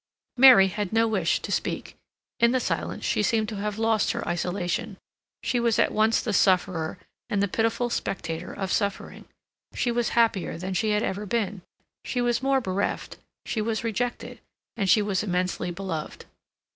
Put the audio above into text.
Mary had no wish to speak. In the silence she seemed to have lost her isolation; she was at once the sufferer and the pitiful spectator of suffering; she was happier than she had ever been; she was more bereft; she was rejected, and she was immensely beloved.